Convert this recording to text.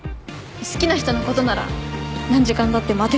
好きな人のことなら何時間だって待てるでしょ？